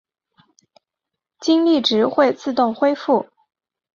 精力值会自动恢复。